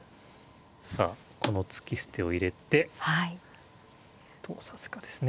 さあこの突き捨てを入れてどう指すかですね。